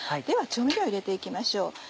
では調味料入れて行きましょう。